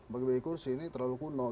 bagi bagi kursi ini terlalu kuno